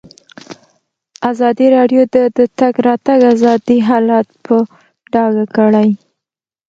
ازادي راډیو د د تګ راتګ ازادي حالت په ډاګه کړی.